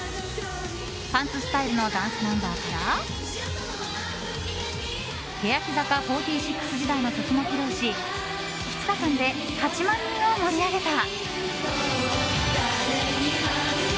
パンツスタイルのダンスナンバーから欅坂４６時代の曲も披露し２日間で８万人を盛り上げた。